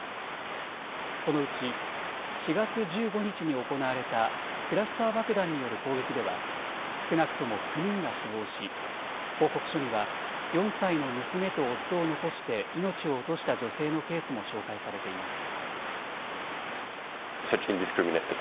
このうち４月１５日に行われたクラスター爆弾による攻撃では少なくとも９人が死亡し報告書には４歳の娘と夫を残して命を落とした女性のケースも紹介されています。